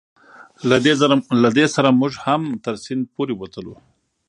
له دې سره موږ هم تر سیند پورې وتو.